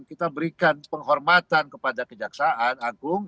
kita berikan penghormatan kepada kejaksaan agung